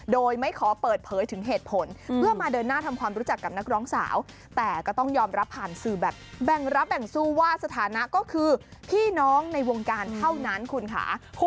โดยไม่ขอเปิดเผยถึงเหตุผลเพื่อมาเดินหน้าทำความรู้จักกับนักร้องสาวแต่ก็ต้องยอมรับผ่านสื่อแบบแบ่งรับแบ่งสู้ว่าสถานะก็คือพี่น้องในวงการเท่านั้นคุณค่ะ